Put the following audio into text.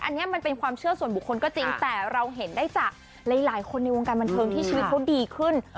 อันนี้มันเป็นความเชื่อส่วนบุคคลก็จริงแต่เราเห็นได้จากหลายคนในวงการบันเทิงที่ชีวิตเขาดีขึ้น